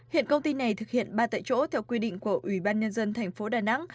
hiện công ty này thực hiện ba tại chỗ theo quy định của ủy ban nhân dân thành phố đà nẵng